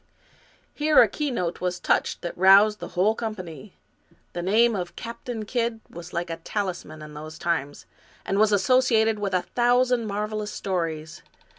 Here a keynote was touched that roused the whole com pany. The name of Captain Kidd was like a talisman in those times, and was associated with a thousand marvelous stories.